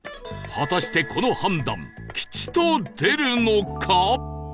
果たしてこの判断吉と出るのか？